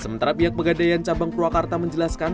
sementara pihak pegadaian cabang purwakarta menjelaskan